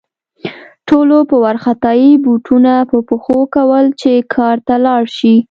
ټولو په وارخطايي بوټونه په پښو کول چې کار ته لاړ شي